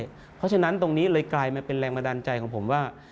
เพราะฉะนั้นตรงนี้เลยกลายมาเป็นแรงบันดาลใจของผมว่า